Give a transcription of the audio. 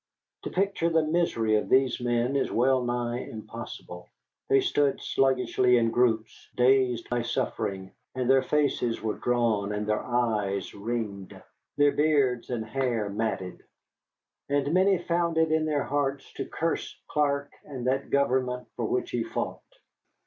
To picture the misery of these men is well nigh impossible. They stood sluggishly in groups, dazed by suffering, and their faces were drawn and their eyes ringed, their beards and hair matted. And many found it in their hearts to curse Clark and that government for which he fought.